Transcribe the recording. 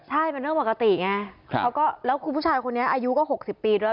ใช่เป็นเรื่องปกติไงแล้วคุณผู้ชายคนนี้อายุก็๖๐ปีด้วย